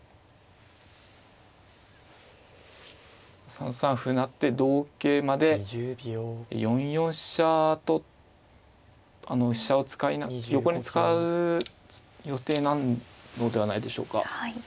３三歩成って同桂まで４四飛車と飛車を横に使う予定なのではないでしょうか。